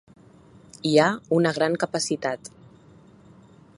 Hi ha una gran capacitat.